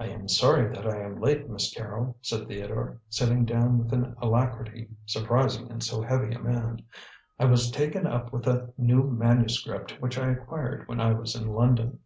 "I am sorry that I am late, Miss Carrol," said Theodore, sitting down with an alacrity surprising in so heavy a man. "I was taken up with a new manuscript which I acquired when I was in London."